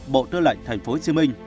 bộ tư lệnh tp hcm